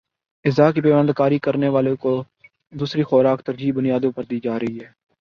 اعضا کی پیوند کاری کرانے والوں کو دوسری خوراک ترجیحی بنیادوں پر دی جارہی ہے